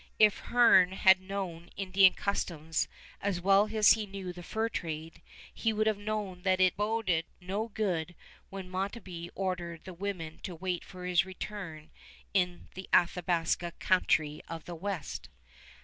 If Hearne had known Indian customs as well as he knew the fur trade, he would have known that it boded no good when Matonabbee ordered the women to wait for his return in the Athabasca country of the west.